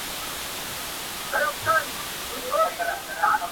کيسه د فکر سبب ګرځي تل.